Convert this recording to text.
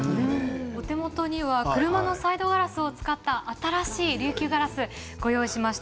お手元には車のサイドガラスを使った新しい琉球ガラスをご用意しました。